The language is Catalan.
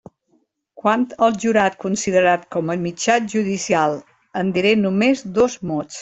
Quant al jurat considerat com a mitjà judicial, en diré només dos mots.